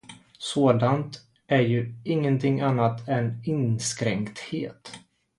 Sådant är ju ingenting annat än inskränkthet.